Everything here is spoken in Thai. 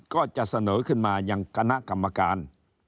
ก็จะเสนอขึ้นมายังคณะกรรมการ